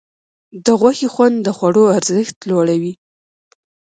د غوښې خوند د خوړو ارزښت لوړوي.